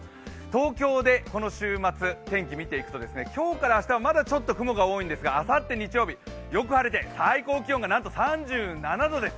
東京でこの週末、天気を見ていきますと今日から明日はまだちょっと雲が多いんですがあさって日曜日よく晴れて最高気温がなんと３７度です。